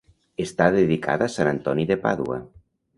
Està dedicada a Sant Antoni de Pàdua.